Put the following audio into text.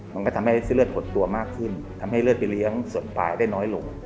มันก็ทำให้เส้นเลือดหดตัวมากขึ้นทำให้เลือดไปเลี้ยงส่วนปลายได้น้อยลง